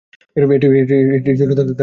এটিই ছিল তার সবচেয়ে বাজে অবস্থান।